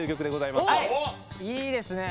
いいですね。